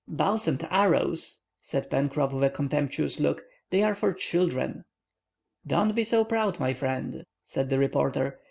"Bows and arrows!" said Pencroff, with a contemptuous look. "They are for children!" "Don't be so proud, my friend," said the reporter.